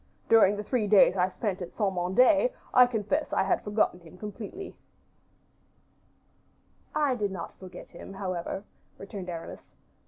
During the three days I spent at Saint Mande, I confess I have forgotten him completely." "I do not forget him, however," returned Aramis.